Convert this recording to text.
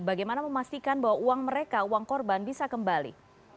bagaimana memastikan bahwa uang mereka uang korban bisa kembali